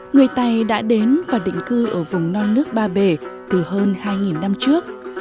người tày đã đến và định cư ở vùng non nước ba bể từ hơn hai năm trước